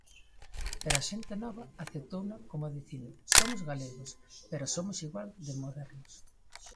Pero a xente nova aceptouna como dicindo: Somos galegos pero somos igual de modernos.